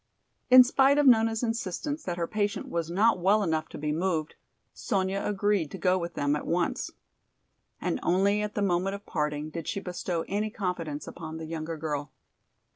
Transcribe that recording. In spite of Nona's insistence that her patient was not well enough to be moved, Sonya agreed to go with them at once. And only at the moment of parting did she bestow any confidence upon the younger girl.